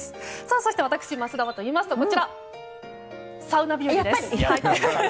そして私、桝田はといいますとサウナ日和です。